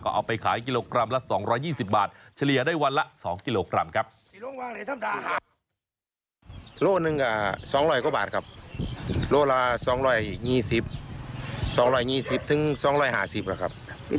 เอาไปขายกิโลกรัมละ๒๒๐บาทเฉลี่ยได้วันละ๒กิโลกรัมครับ